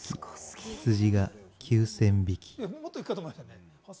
羊が９０００匹。